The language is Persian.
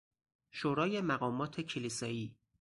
شورای مقامات کلیسایی...